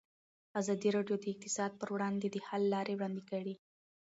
ازادي راډیو د اقتصاد پر وړاندې د حل لارې وړاندې کړي.